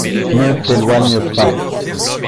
Ne t’éloigne pas.